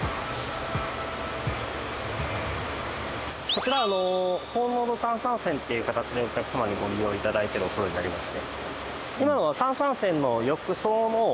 こちら高濃度炭酸泉っていう形でお客様にご利用頂いてるお風呂になりますね。